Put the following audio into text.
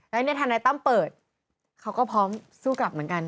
แล้วเนี่ยทนายตั้มเปิดเขาก็พร้อมสู้กลับเหมือนกัน